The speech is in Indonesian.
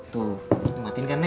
tuh dimatikan nek